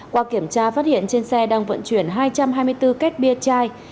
qua kiểm tra phát hiện trên xe đang vận chuyển hai trăm hai mươi bốn kết bia chai